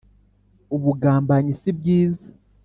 ubugambanyi sibwiza.